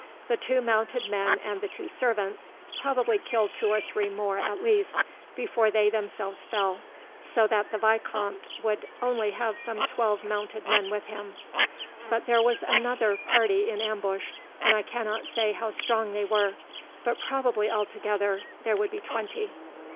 The two mounted men and the two servants probably killed two or three more, at least, before they themselves fell, so that the vicomte would only have some twelve mounted men with him. But there was another party in ambush, and I cannot say how strong they were; but probably, altogether, there would be twenty.